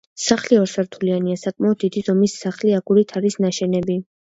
სახლი ორსართულიანი, საკმაოდ დიდი ზომის სახლი აგურით არის ნაშენი.